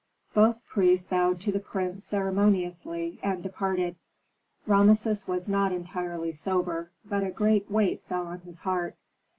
Both priests bowed to the prince ceremoniously, and departed. Rameses was not entirely sober, but a great weight fell on his heart.